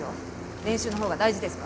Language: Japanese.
練習のほうが大事ですか？